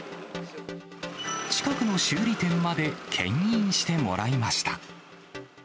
近くの修理店までけん引してもらいました。